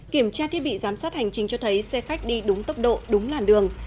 kiểm tra thiết bị giám sát hành trình cho thấy xe khách đi đúng tốc độ đúng làn đường